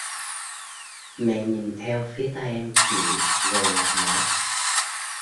Mẹ nhìn theo phía tay em chỉ rồi lại hỏi